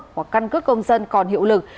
hoặc căn cứ công dân còn hiệu lực